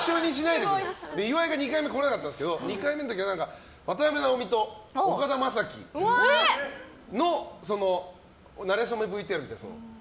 岩井が２回目来れなかったんですけど２回目の時は渡辺直美と岡田将生のなれそめＶＴＲみたいな。